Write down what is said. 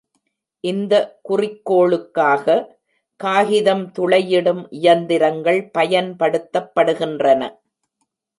இந்த குறிக்கோளுக்காக, காகிதம் துளையிடும் இயந்திரங்கள் பயன்படுத்தப்படுகின்றன.